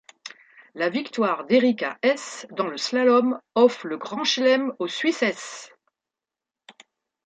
La victoire d'Erika Hess dans le slalom offre le grand chelem aux suissesses !